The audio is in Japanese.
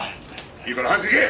いいから早く行け！